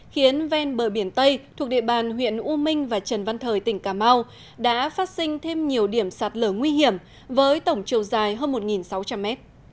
khiến ven bờ biển tây thuộc địa bàn huyện u minh và trần văn thời tỉnh cà mau đã phát sinh thêm nhiều điểm sạt lở nguy hiểm với tổng chiều dài hơn một sáu trăm linh m